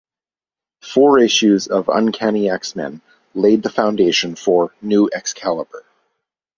Four issues of "Uncanny X-Men" laid the foundation for "New Excalibur".